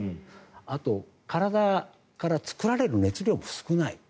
あと、体から作られる熱量も少ない。